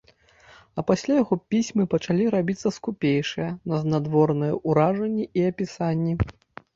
А пасля яго пісьмы пачалі рабіцца скупейшыя на знадворныя ўражанні і апісанні.